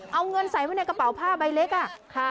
เอาเงินใส่ไว้ในกระเป๋าผ้าใบเล็ก